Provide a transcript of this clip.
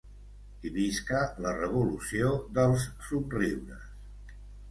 I visca la revolució dels somriures!